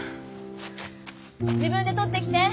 自分で取ってきて。